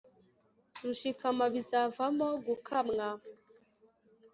rushikama bizavamo gukamwa,